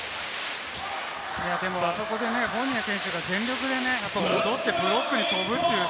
あそこでね、フォーニエ選手が全力でね、戻ってブロックに飛ぶっていう。